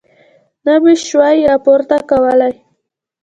نه مې شوای راپورته کولی.